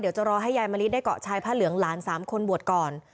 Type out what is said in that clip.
จะรอให้ยายมะลิได้เกาะชายผ้าเหลืองหลาน๓คนบวชก่อน